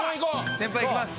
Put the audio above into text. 先輩いきます。